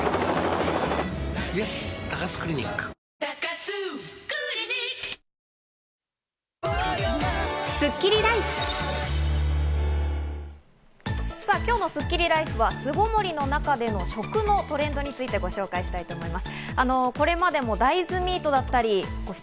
さぁ続いてはこちらのコーナ最強のスッキリＬＩＦＥは巣ごもりの中での食のトレンドについてご紹介したいと思います。